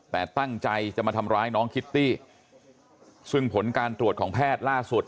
แต่ตั้งใจจะมาทำร้ายน้องคิตตี้ซึ่งผลการตรวจของแพทย์ล่าสุด